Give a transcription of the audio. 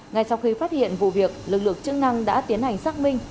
ngay sau khi phát hiện vụ việc lực lượng chức năng đã tiến hành xác minh